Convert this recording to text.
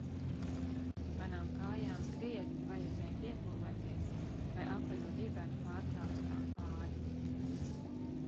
Manām kājām krietni vajadzēja piepūlēties, lai apaļo dibenu pārceltu tam pāri.